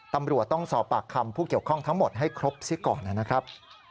ตำรวจต้องสอบปากคำผู้เกี่ยวข้องทั้งหมดให้ครบซิก่อนนะครับ